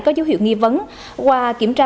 có dấu hiệu nghi vấn qua kiểm tra